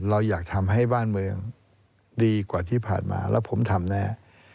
เราอยากทำให้บ้านเมืองดีกว่าที่ผ่านมาแล้วผมทำแน่